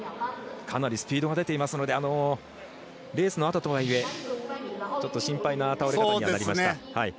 かなりスピードが出ていますのでレースのあととはいえ、心配な倒れ方にはなりました。